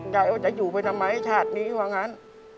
ยายว่าจะอยู่ไปทำไมชาตินี้ว่างั้น